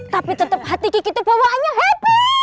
tapi tetep hati kiki tuh bawaannya happy